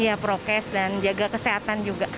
iya prokes dan jaga kesehatan juga